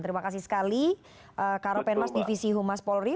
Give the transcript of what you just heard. terima kasih sekali karo penmas divisi humas polri